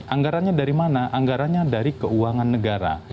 anggarannya dari mana anggarannya dari keuangan negara